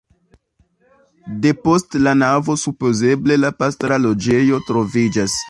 Depost la navo supozeble la pastra loĝejo troviĝas.